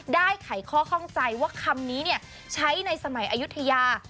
ไขข้อข้องใจว่าคำนี้ใช้ในสมัยอายุทยา